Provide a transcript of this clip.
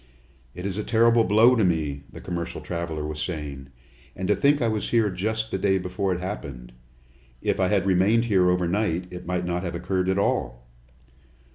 "It is a terrible blow to me," the commercial traveler was saying. "And to think I was here just the day before it happened! If I had remained here over night, it might not have occurred at all!"